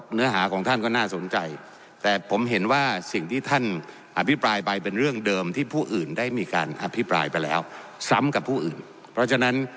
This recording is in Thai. เนื้อหาของท่านก็น่าสนใจ